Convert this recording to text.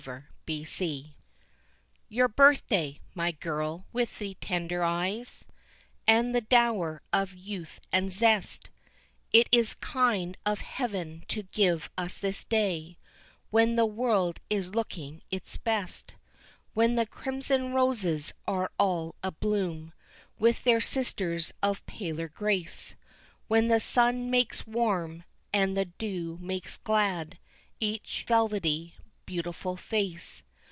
Her Birthday Your birthday, my girl with the tender eyes, And the dower of youth and zest, It is kind of heaven to give us this day, When the world is looking its best, When the crimson roses are all abloom With their sisters of paler grace, When the sun makes warm, and the dew makes glad Each velvety beautiful face.